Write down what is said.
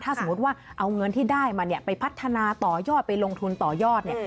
ถ้าสมมุติว่าเอาเงินที่ได้มาเนี่ยไปพัฒนาต่อยอดไปลงทุนต่อยอดเนี่ย